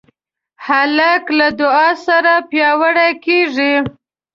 هلک له دعا سره پیاوړی کېږي.